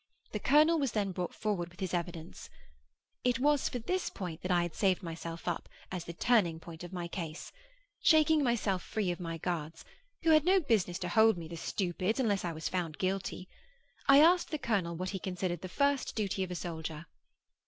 The colonel was then brought forward with his evidence. It was for this point that I had saved myself up, as the turning point of my case. Shaking myself free of my guards,—who had no business to hold me, the stupids, unless I was found guilty,—I asked the colonel what he considered the first duty of a soldier?